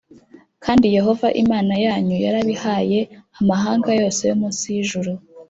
kandi Yehova Imana yanyu yarabihaye amahanga yose yo munsi y’ijuru.